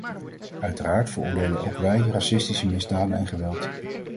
Uiteraard veroordelen ook wij racistische misdaden en geweld.